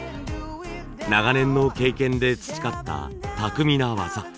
長年の経験で培った巧みな技。